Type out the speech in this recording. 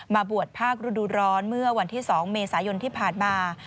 มาบวชภาคฤดูร้อนเมื่อวันที่๒เมษายนที่ผ่านมา